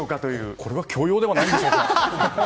これは強要ではないんでしょうか。